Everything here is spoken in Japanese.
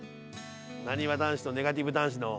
なにわ男子とネガティブ男子の。